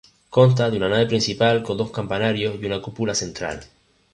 Consta de una nave principal con dos campanarios y una cúpula central.